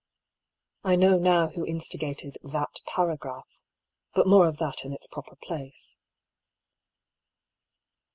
I know now who instigated that paragraph ; but more of that in its proper place.